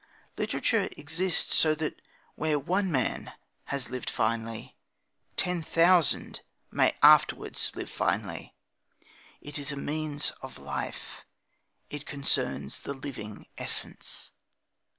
Literature exists so that where one man has lived finely ten thousand may afterwards live finely. It is a means of life; it concerns the living essence.